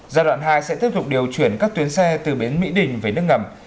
giai đoạn hai sẽ tiếp tục điều chuyển các tuyến xe từ bến mỹ đình về nước ngầm